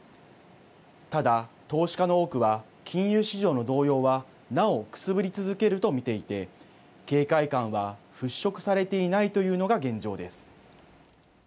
ただ投資家の多くは金融市場の動揺はなおくすぶり続けると見ていて警戒感は払拭されていないというのが現状です。